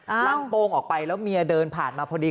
ร่างโป้งออกไปแล้วเมียเดินผ่านมาพอดี